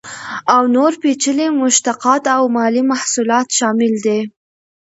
او نور پیچلي مشتقات او مالي محصولات شامل دي.